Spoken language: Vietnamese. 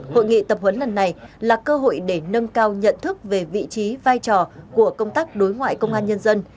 hội nghị tập huấn lần này là cơ hội để nâng cao nhận thức về vị trí vai trò của công tác đối ngoại công an nhân dân